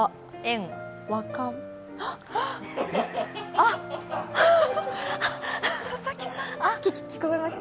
あっ聞こえました？